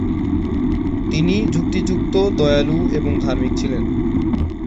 তিনি যুক্তিযুক্ত, দয়ালু এবং ধার্মিক ছিলেন।